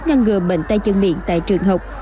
ngăn ngừa bệnh tay chân miệng tại trường học